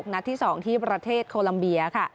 นัดที่๒ที่ประเทศโคลัมเบียค่ะ